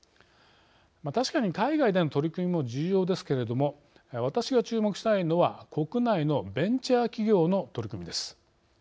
確かに海外での取り組みも重要ですけれども私が注目したいのは国内のベンチャー企業の取り組みです。